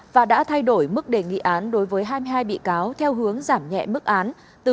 và đã thay đổi mức đề nghị án đối với hai mươi hai bị cáo theo hướng giảm nhẹ mức án